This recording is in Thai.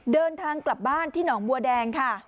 เดินทางกลับบ้านที่หนองบัวแดงค่ะ